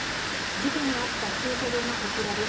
事件があった駐車場がこちらです。